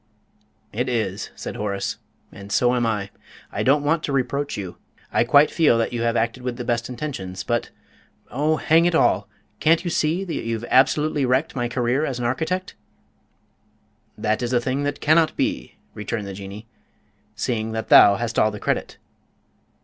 "It is," said Horace. "And so am I. I don't want to reproach you. I quite feel that you have acted with the best intentions; but, oh, hang it all! can't you see that you've absolutely wrecked my career as an architect?" "That is a thing that cannot be," returned the Jinnee, "seeing that thou hast all the credit."